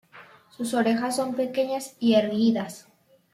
Sus orejas son pequeñas y erguidas.